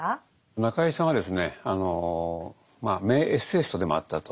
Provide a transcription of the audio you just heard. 中井さんはですねまあ名エッセイストでもあったと。